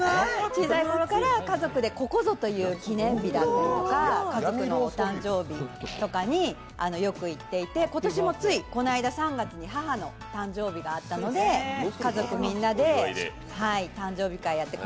小さいころから家族でここぞという記念日だとか家族のお誕生日とかによく行っていて今年もついこの間、３月に母の誕生日があったので家族みんなで誕生日会をやって。